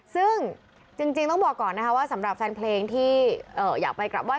ซึ่งจริงต้องบอกก่อนนะคะว่าสำหรับแฟนเพลงที่อยากไปกลับไห้